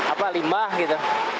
apa limbah gitu